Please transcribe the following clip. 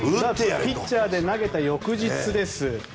ピッチャーで投げた翌日です。